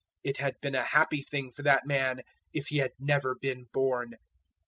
It had been a happy thing for that man if he had never been born."